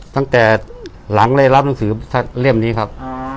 ตั้งแต่หลังเลยรับหนังสือเรียมนี้ครับ